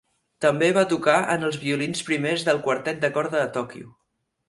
També va tocar en els violins primers del Quartet de Corda de Tòquio.